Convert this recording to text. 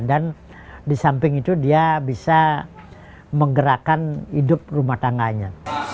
dan disamping itu dia bisa menggerakkan hidup rumah tangganya